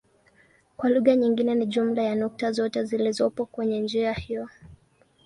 Kwa lugha nyingine ni jumla ya nukta zote zilizopo kwenye njia hiyo.